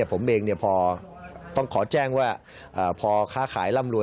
ผมเองพอต้องขอแจ้งว่าพอค้าขายร่ำรวย